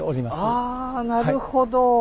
ああなるほど。